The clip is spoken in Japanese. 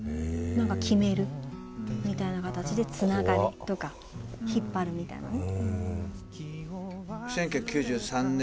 何か決めるみたいな形でつながりとか引っ張るみたいなね。